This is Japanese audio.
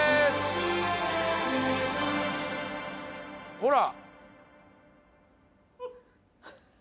ほら。